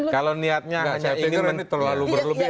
kalau niatnya saya ingin terlalu berlebihan